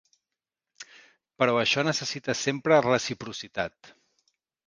Però això necessita sempre reciprocitat.